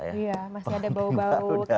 iya masih ada bau bau